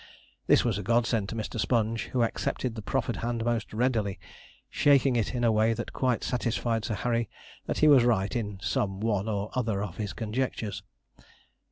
This was a godsend to Mr. Sponge, who accepted the proffered hand most readily, shaking it in a way that quite satisfied Sir Harry he was right in some one or other of his conjectures.